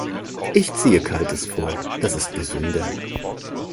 Ich ziehe kaltes vor; das ist gesünder.